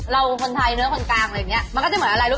เราคนไทยเนื้อคนกลางอะไรอย่างเงี้ย